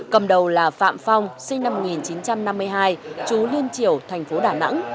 cầm đầu là phạm phong sinh năm một nghìn chín trăm năm mươi hai chú liên triều thành phố đà nẵng